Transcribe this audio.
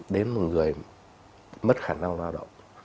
đến một người mất khả năng lao động